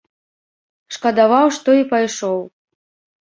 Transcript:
Шкадаваў, што і пайшоў.